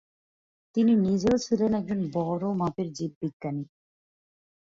তিনি নিজেও ছিলেন একজন বড় মাপের জীববিজ্ঞানী।